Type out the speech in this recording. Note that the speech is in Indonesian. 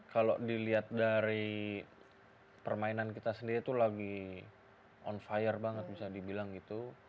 kalau dilihat dari permainan kita sendiri tuh lagi on fire banget bisa dibilang gitu